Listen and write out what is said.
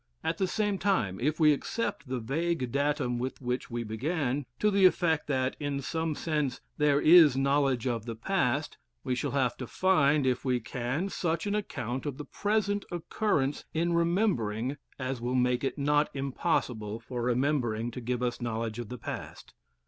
At the same time, if we accept the vague datum with which we began, to the effect that, in some sense, there is knowledge of the past, we shall have to find, if we can, such an account of the present occurrence in remembering as will make it not impossible for remembering to give us knowledge of the past.